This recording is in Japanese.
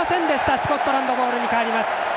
スコットランドボールに変わります。